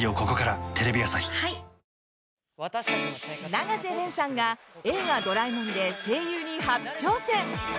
永瀬廉さんが「映画ドラえもん」で声優に初挑戦。